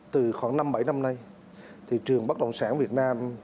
từ khoảng năm bảy năm nay thị trường bất động sản việt nam